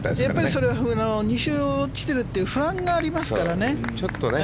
それは２週落ちてるという不安がありますからね。